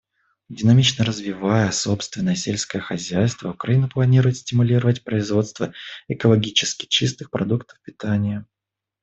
Динамично развивая собственное сельское хозяйство, Украина планирует стимулировать производство экологически чистых продуктов питания.